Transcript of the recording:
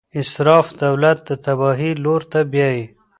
اسراف دولت د تباهۍ لور ته بیايي.